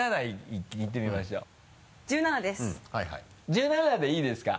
１７でいいですか？